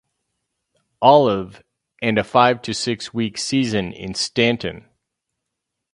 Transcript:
Olive and a five to six week season in Staunton.